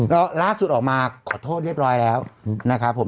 แล้วล่าสุดออกมาขอโทษเรียบร้อยแล้วนะครับผม